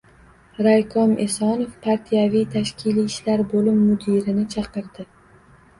Raykom Esonov partiyaviy-tashkiliy ishlar bo‘lim mudirini chaqirdi.